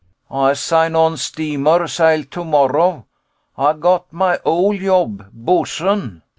CHRIS Ay sign on steamer sail to morrow. Ay gat my ole yob bo'sun.